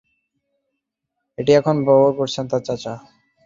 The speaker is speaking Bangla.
এখন এটি ব্যবহার করছেন তাঁর চাচা।